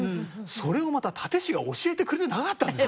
それをまた殺陣師が教えてくれてなかったんです！